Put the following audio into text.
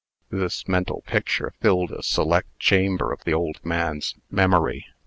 This mental picture filled a select chamber of the old man's memory.